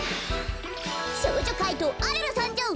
少女怪盗アルルさんじょう！